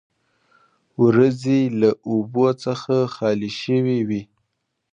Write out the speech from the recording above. وریځې له اوبو څخه خالي شوې وې.